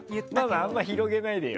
あんまり広げないでよ。